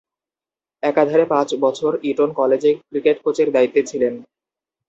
একাধারে পাঁচ বছর ইটন কলেজে ক্রিকেট কোচের দায়িত্বে ছিলেন।